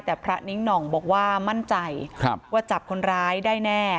แต่พระนิ้งหน่องบอกว่ามั่นใจว่าจับคนร้ายได้แน่